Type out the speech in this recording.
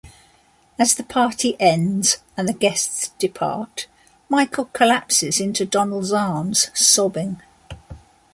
As the party ends and the guests depart, Michael collapses into Donald's arms, sobbing.